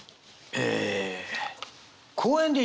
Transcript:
え。